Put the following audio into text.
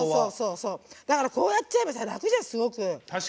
だから、こうやっちゃえば楽じゃん、すごく。